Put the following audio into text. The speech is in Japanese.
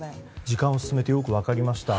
時間を進めてよく分かりました。